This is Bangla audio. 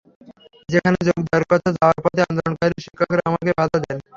সেখানে যোগ দেওয়ার জন্য যাওয়ার পথে আন্দোলনকারী শিক্ষকেরা আমাকে বাধা দেন।